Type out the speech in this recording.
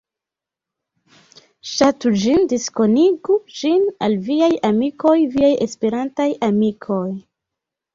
Ŝatu ĝin, diskonigu ĝin al viaj amikoj, viaj Esperantaj amikoj.